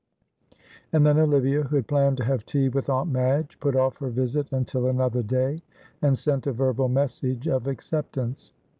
And then Olivia, who had planned to have tea with Aunt Madge, put off her visit until another day, and sent a verbal message of acceptance.